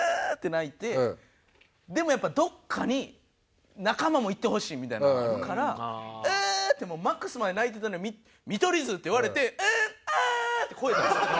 でもやっぱどこかに仲間もいってほしいみたいなのがあるから「うう！」ってもうマックスまで泣いてたのに「見取り図」って言われて「ううううっ！！」って越えたんですよ。